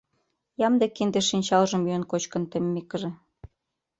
Ямде кинде-шинчалжым йӱын-кочкын теммекыже